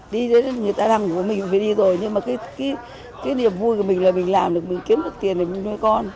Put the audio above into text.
đi đến người ta làm của mình cũng phải đi rồi nhưng mà cái niềm vui của mình là mình làm được mình kiếm được tiền để nuôi con